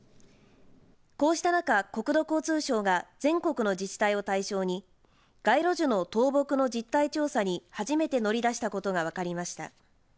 こうした中、国土交通省が全国の自治体を対象に街路樹の倒木の実態調査に初めて乗り出したことが分かりました。